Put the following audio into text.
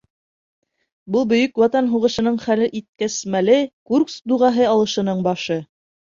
Был Бөйөк Ватан һуғышының хәл иткес мәле — Курск дуғаһы алышының башы.